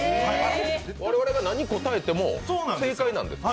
我々が何答えても正解なんですか？